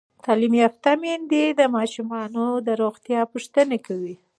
تعلیم یافته میندې د ماشومانو د روغتیا پوښتنې کوي.